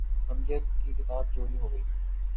امجد کی کتاب چوری ہو گئی۔